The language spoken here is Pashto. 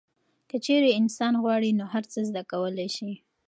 که چیرې انسان غواړي نو هر څه زده کولی شي.